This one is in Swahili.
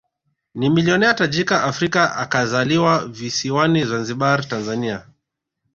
Ni milionea tajika Afrika akizaliwa visiwani Zanzibar Tanzania